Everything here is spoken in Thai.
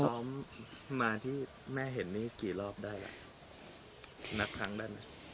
ซ้อมมาที่แม่เห็นนี่กี่รอบได้อ่ะนับครั้งได้ไหม